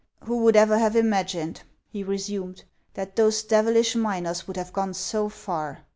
"Who would ever have imagined," he resumed, "that those devilish miners would have gone so far